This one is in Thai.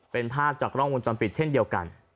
เป็นภาพจากกล้องวงจรปิดเช่นเดียวกัน